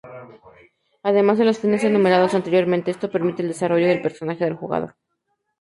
Además de los fines enumerados anteriormente, esto permite el desarrollo del personaje del jugador.